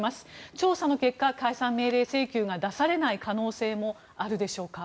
調査の結果、解散命令請求が出されない可能性もあるでしょうか。